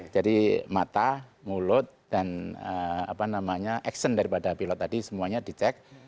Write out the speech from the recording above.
jadi mata mulut dan apa namanya action daripada pilot tadi semuanya dicek